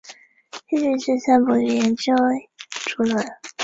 兴趣是散步与研究竹轮。